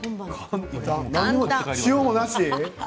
塩もなし？